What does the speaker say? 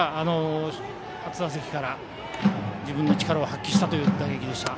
初打席から自分の力を発揮したという打撃でした。